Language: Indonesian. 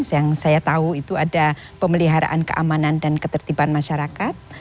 yang saya tahu itu ada pemeliharaan keamanan dan ketertiban masyarakat